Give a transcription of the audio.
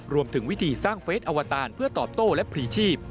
รวมถึงวิธีสร้างเฟสอวตารเพื่อตอบโต้และพลีชีพ